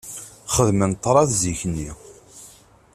Xedmen ṭrad zik-nni.